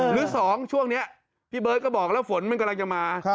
หรือ๒ช่วงนี้พี่เบิร์ตก็บอกแล้วฝนมันกำลังจะมา